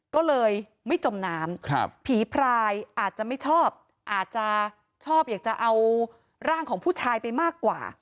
ก็เลยไม่จมน้ำผีพรายอาจจะไม่ชอบอาจจะชอบอยากจะเอาร่างของผู้ชายไปมากกว่า